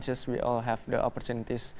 kita semua memiliki kesempatan